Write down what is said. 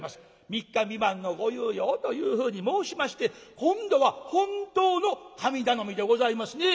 「３日３晩のご猶予を」というふうに申しまして今度は本当の神頼みでございますね。